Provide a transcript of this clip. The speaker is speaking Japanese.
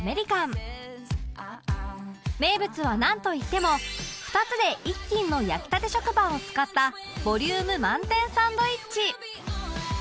名物はなんといっても２つで１斤の焼きたて食パンを使ったボリューム満点サンドイッチ